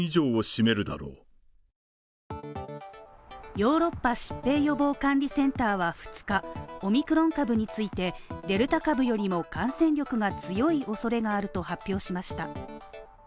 ヨーロッパ疾病予防管理センターは２日、オミクロン株についてデルタ株よりも感染力が強い恐れがあると発表しました。